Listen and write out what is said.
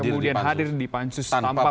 kemudian hadir di pansus tanpa